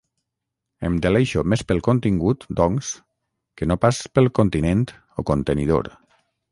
Em deleixo més pel contingut, doncs, que no pas pel continent, o contenidor.